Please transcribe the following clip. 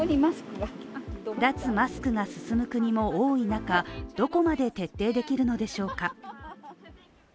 脱マスクが進む国も多い中、どこまで徹底できるのでしょうか？